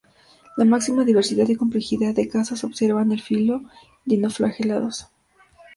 La máxima diversidad y complejidad de casos se observa en el filo dinoflagelados.